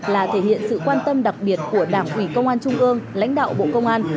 là thể hiện sự quan tâm đặc biệt của đảng ủy công an trung ương lãnh đạo bộ công an